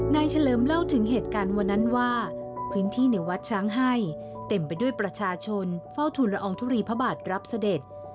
เฉลิมเล่าถึงเหตุการณ์วันนั้นว่าพื้นที่ในวัดช้างให้เต็มไปด้วยประชาชนเฝ้าทุนละอองทุลีพระบาทรับเสด็จ